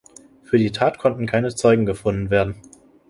Für die Tat konnten keine Zeugen gefunden werden.